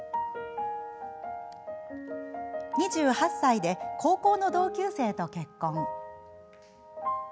２８歳で高校の同級生と結婚。